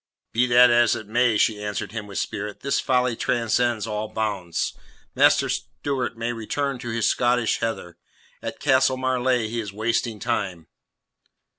"Be that as it may," she answered him with spirit, "this folly transcends all bounds. Master Stewart may return to his Scottish heather; at Castle Marleigh he is wasting time."